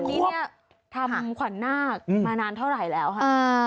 ทีนี่เนี่ยทำขวานหน้ามานานเท่าไหร่แล้วคะ